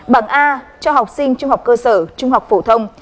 bảng a cho học sinh trung học cơ sở trung học phổ thông